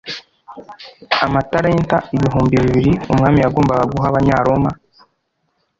amatalenta ibihumbi bibiri umwami yagombaga guha abanyaroma